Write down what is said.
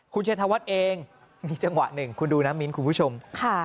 คุณเชษฐวัฒน์เองที่จังหวะ๑คุณดูนะมินคุณผู้ชมค่ะ